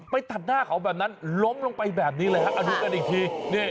ตัดหน้าเขาแบบนั้นล้มลงไปแบบนี้เลยฮะเอาดูกันอีกที